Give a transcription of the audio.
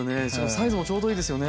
サイズもちょうどいいですよね。